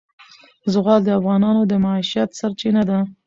زغال د افغانانو د معیشت سرچینه ده.